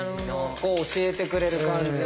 教えてくれる感じの。